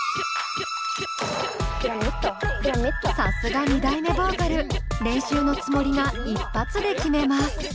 さすが２代目ボーカル練習のつもりが一発で決めます。